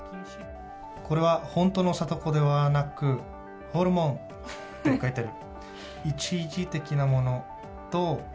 これは本当の聡子ではなく、ホルモン！って書いてある。